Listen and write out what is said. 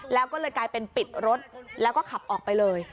แล้วก็เลยกลายเป็นปิดรถแล้วก็ขับออกไปเลย